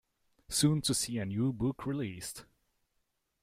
Soon to see a new book released.